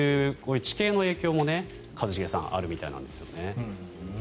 地形の影響も一茂さんあるみたいなんですけどね。